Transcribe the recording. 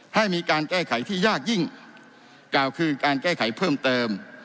ให้มีการแก้ไขที่ยากยิ่งกล่าวคือการแก้ไขเพิ่มเติม